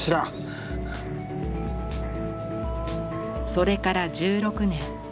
それから１６年。